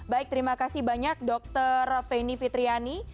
baik terima kasih banyak dokter feni fitriani